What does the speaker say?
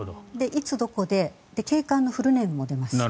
いつどこで警官のフルネームも出ます。